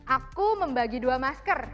aku membagi dua masker